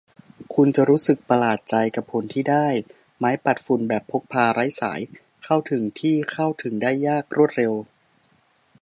คุณจะรู้สึกประหลาดใจกับผลที่ได้ ไม้ปัดฝุ่นแบบพกพา ไร้สาย เข้าถึงที่เข้าถึงได้ยาก รวดเร็ว